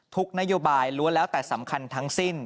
นโยบายล้วนแล้วแต่สำคัญทั้งสิ้น